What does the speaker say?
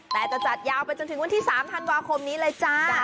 แต่จะจัดยาวไปจนถึงวันที่๓ธันวาคมนี้เลยจ้า